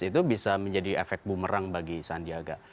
itu bisa menjadi efek bumerang bagi sandiaga